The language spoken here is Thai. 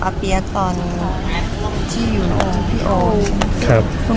ภาษาสนิทยาลัยสุดท้าย